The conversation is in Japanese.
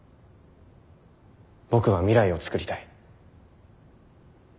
僕は未来を創りたい。